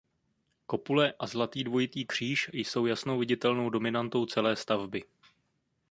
Kopule a zlatý dvojitý kříž jsou jasnou viditelnou dominantou celé stavby.